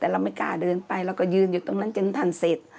แต่เราไม่กล้าเดินไปเราก็ยืนอยู่ตรงนั้นจนท่านเสร็จ